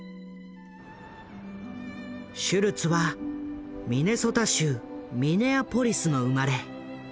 シュルツはミネソタ州ミネアポリスの生まれ。